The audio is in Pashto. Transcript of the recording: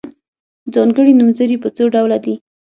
ځانګړي نومځري په څو ډوله دي.